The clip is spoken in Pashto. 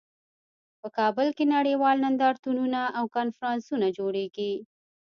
په کابل کې نړیوال نندارتونونه او کنفرانسونه جوړیږي